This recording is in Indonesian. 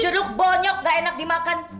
jeruk bonyok gak enak dimakan